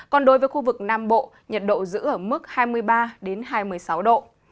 còn đối với khu vực nam bộ nhiệt độ giữ ở mức hai mươi ba hai mươi sáu độ